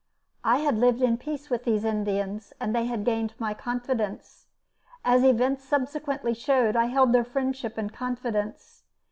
I had lived in peace with these Indians and they had gained my confidence. As events subsequently showed, I held their friendship and confidence.